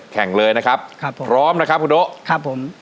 แข่งเลยนะครับครับผมพร้อมนะครับคุณโด๊ะครับผม